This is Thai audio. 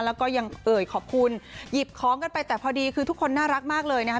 แล้วก็ยังเอ่ยขอบคุณหยิบของกันไปแต่พอดีคือทุกคนน่ารักมากเลยนะคะ